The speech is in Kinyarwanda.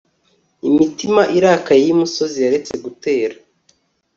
imitima irakaye yimisozi yaretse gutera